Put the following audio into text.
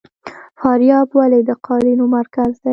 فاریاب ولې د قالینو مرکز دی؟